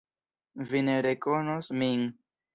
Vi ne rekonos min.